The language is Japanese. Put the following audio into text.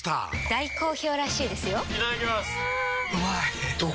大好評らしいですよんうまい！